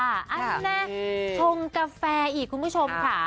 อันนี้ชงกาแฟอีกคุณผู้ชมค่ะ